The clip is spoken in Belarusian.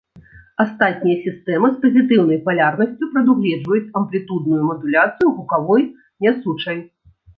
Астатнія сістэмы з пазітыўнай палярнасцю прадугледжваюць амплітудную мадуляцыю гукавой нясучай.